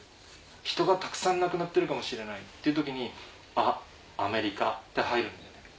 人がたくさん亡くなってるかもしれないっていう時に「アメリカ」って入るんだよね。